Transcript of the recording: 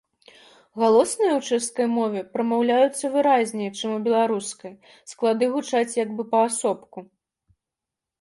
Галосныя ў чэшскай мове прамаўляюцца выразней, чым у беларускай, склады гучаць як бы паасобку.